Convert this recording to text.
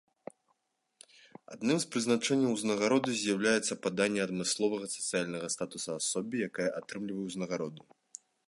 Адным з прызначэнняў узнагароды з'яўляецца паданне адмысловага сацыяльнага статусу асобе, якая атрымлівае ўзнагароду.